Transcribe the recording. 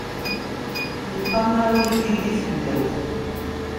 Yeṭṭammaɛ uyeddid di teblawt.